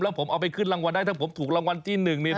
ผมเอาไปขึ้นรางวัลได้ถ้าผมถูกรางวัลที่๑นี่นะ